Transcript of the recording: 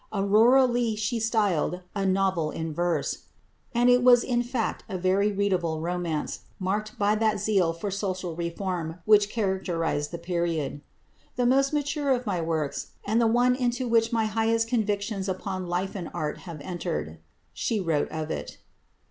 "Aurora Leigh" she styled a "novel in verse," and it was in fact a very readable romance, marked by that zest for social reform which characterised the period. "The most mature of my works, and the one into which my highest convictions upon Life and Art have entered," she wrote of it.